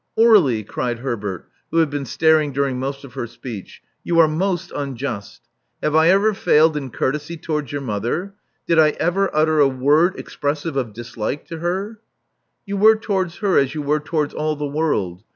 Aur61ie," cried Herbert, who had been staring during most of her speech: you are most unjust. Have I ever failed in courtesy towards your mother? Did I ever utter a word expressive of dislike to her?" You were towards her as you were towards all the world.